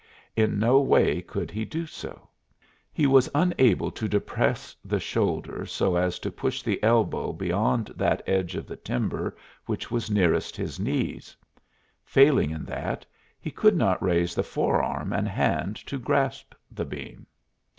In no way could he do so. He was unable to depress the shoulder so as to push the elbow beyond that edge of the timber which was nearest his knees; failing in that, he could not raise the forearm and hand to grasp the beam.